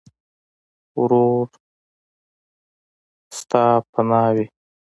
ورور د تا پناه وي.